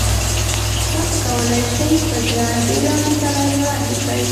تاسو کولای شئ، په دې اړه بېلابېل دلایل وړاندې کړئ.